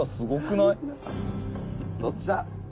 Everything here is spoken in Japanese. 「どっちだ？」